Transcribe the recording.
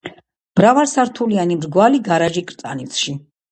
მრავალსართულიანი მრგვალი გარაჟი კრწანისში.